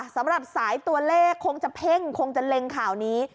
สำหรับสายตัวเลขคงจะเพ่งคงจะเล็งข่าวนี้